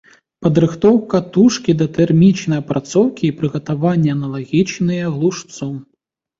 Падрыхтоўка тушкі да тэрмічнай апрацоўкі і прыгатаванне аналагічныя глушцу.